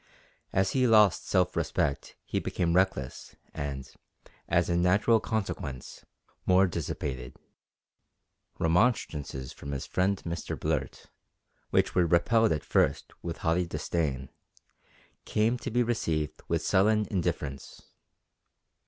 As he lost self respect he became reckless and, as a natural consequence, more dissipated. Remonstrances from his friend Mr Blurt, which were repelled at first with haughty disdain, came to be received with sullen indifference.